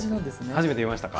初めて見ましたか。